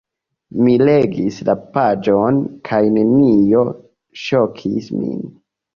Mi legis la paĝon kaj nenio ŝokis min.